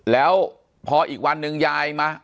แล้วพออีกวันหนึ่งยายมา